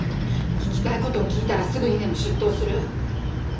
聞きたいことを聞いたらすぐにでも出頭する。